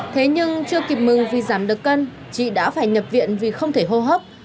thế nhưng chưa kịp mừng vì giảm được cân chị đã phải nhập viện vì không thể hô hấp